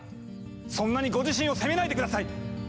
そんなにご自身を責めないで下さい！